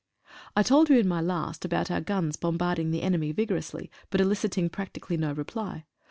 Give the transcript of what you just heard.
3 TOLD you in my last about our guns bombarding the enemy vigorously, but eliciting practically no reply.